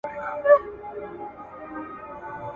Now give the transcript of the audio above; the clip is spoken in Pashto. برابر سو